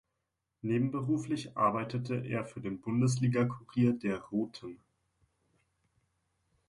Nebenberuflich arbeitete er für den Bundesligakurier der "Roten".